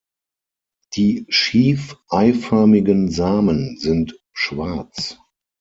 Die schief eiförmigen Samen sind schwarz.